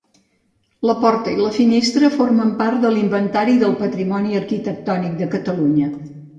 La porta i la finestra formen part de l'Inventari del Patrimoni Arquitectònic de Catalunya.